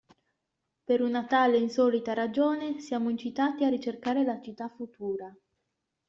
Per una tale insolita ragione siamo incitati a ricercare la Città futura.